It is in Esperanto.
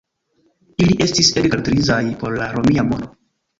Ili estis ege karakterizaj por la Romia mondo.